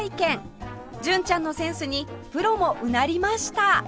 純ちゃんのセンスにプロもうなりました